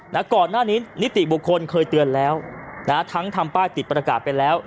ก่อนหน้านี้นิติบุคคลเคยเตือนแล้วนะฮะทั้งทำป้ายติดประกาศไปแล้ว